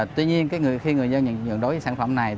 tuy nhiên khi người dân nhận chuyển nhượng đối với sản phẩm này